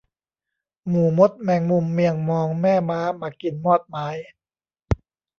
หมู่มดแมงมุมเมียงมองแม่ม้ามากินมอดไม้